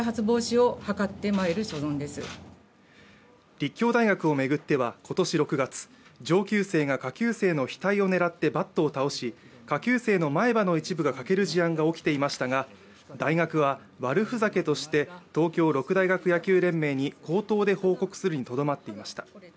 立教大学野球部を巡っては今年６月、上級生が下級生の額を狙ってバットを倒し下級生の前歯の一部が欠ける事案が起きていましたが、大学は悪ふざけとして東京六大学野球連盟に口頭で報告するにとどまっていました。